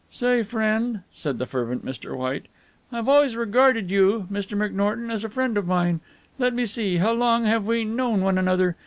"Say friend," said the fervent Mr. White. "I have always regarded you, Mr. McNorton, as a friend of mine. Let me see, how long have we known one another?